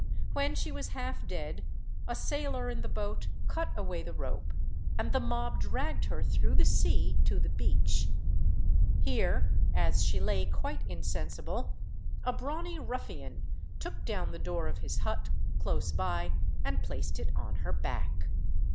When she was half dead, a sailor in the boat cut away the rope, and the mob dragged her through the sea to the beach. Here, as she lay quite insensible, a brawny ruffian took down the door of his hut, close by, and placed it on her back.